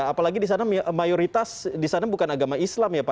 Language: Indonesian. apalagi di sana mayoritas bukan agama islam ya pak